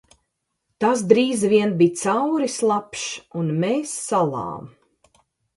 Tas drīz vien bija cauri slapjš un mēs salām.